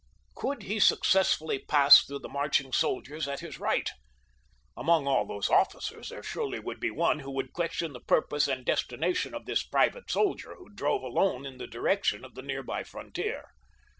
Could he successfully pass through the marching soldiers at his right? Among all those officers there surely would be one who would question the purpose and destination of this private soldier who drove alone in the direction of the nearby frontier.